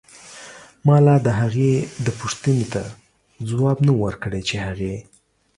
مالا دهغې دپو ښتنې ته ځواب نه و ورکړی چې هغې